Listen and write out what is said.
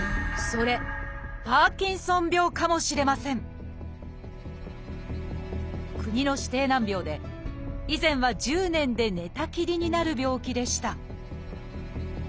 それ「パーキンソン病」かもしれません国の指定難病で以前は１０年で寝たきりになる病気でした。